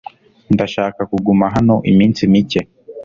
Ndashaka kuguma hano iminsi mike .